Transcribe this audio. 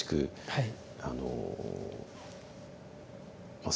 はい。